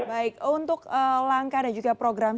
baik untuk langkah dan juga program